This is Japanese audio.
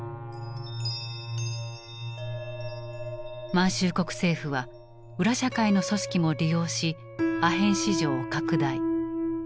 満州国政府は裏社会の組織も利用しアヘン市場を拡大。